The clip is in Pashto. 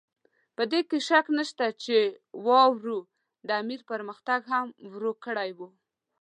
په دې کې شک نشته چې واورو د امیر پرمختګ هم ورو کړی وو.